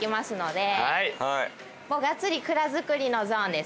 がっつり蔵造りのゾーンです。